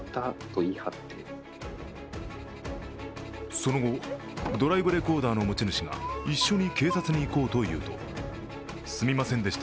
その後、ドライブレコーダーの持ち主が、一緒に警察に行こうと言うとすみませんでした、